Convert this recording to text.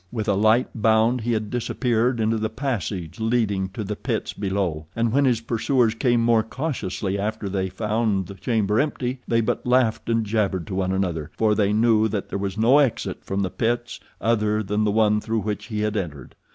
With a light bound he had disappeared into the passage leading to the pits below, and when his pursuers came more cautiously after they found the chamber empty, they but laughed and jabbered to one another, for they knew that there was no exit from the pits other than the one through which he had entered.